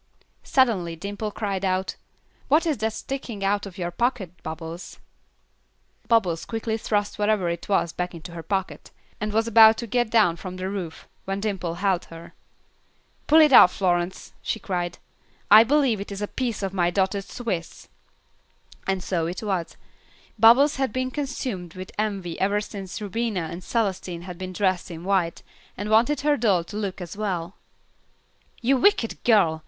Suddenly Dimple cried out, "What is that sticking out of your pocket, Bubbles?" Bubbles quickly thrust whatever it was back into her pocket, and was about to get down from the roof, when Dimple held her. "Pull it out, Florence," she cried. "I believe it is a piece of my dotted swiss." And so it was. Bubbles had been consumed with envy ever since Rubina and Celestine had been dressed in white, and wanted her doll to look as well. "You wicked girl!